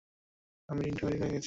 আমি রিংটা বাড়িতে ফেলে গিয়েছো।